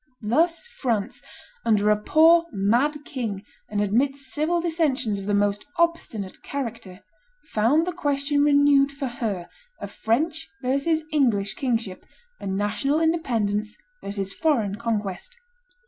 Thus France, under a poor mad king and amidst civil dissensions of the most obstinate character, found the question renewed for her of French versus English king ship and national independence versus foreign conquest.